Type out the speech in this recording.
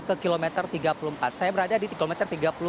ke kilometer tiga puluh empat saya berada di kilometer